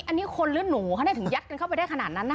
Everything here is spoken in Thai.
อันนี้คนหรือหนูคะถึงยัดกันเข้าไปได้ขนาดนั้นนะ